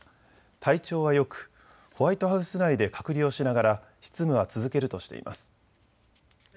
体調はよくホワイトハウス内で隔離をしながら執務は続けるとしています。